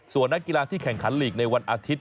ส่วนนักกีฬาที่แข่งขันลีกในวันอาทิตย